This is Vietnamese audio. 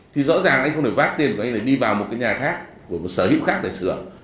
thì rõ ràng anh không được vác tiền của anh phải đi vào một cái nhà khác của một sở hữu khác để sửa